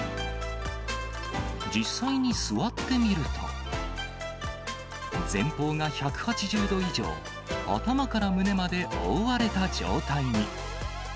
実際に座ってみると、前方が１８０度以上、頭から胸まで覆われた状態に。